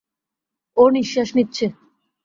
ও নিশ্বাস নিচ্ছে।